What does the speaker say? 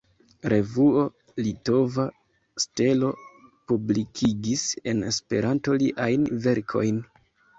Revuo „Litova Stelo“ publikigis en Esperanto liajn verkojn:.